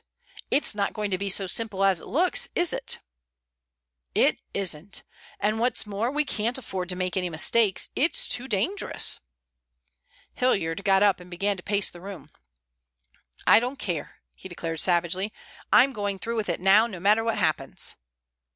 It's not going to be so simple as it looks, is it?" "It isn't. And what's more, we can't afford to make any mistakes. It's too dangerous." Hilliard got up and began to pace the room. "I don't care," he declared savagely. "I'm going through with it now no matter what happens."